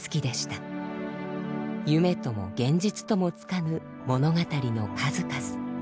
夢とも現実ともつかぬ物語の数々。